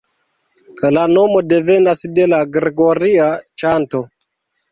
La nomo devenas de la Gregoria ĉanto.